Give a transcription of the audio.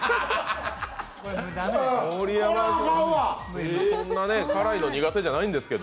盛山さん、辛いの苦手じゃないんですけど。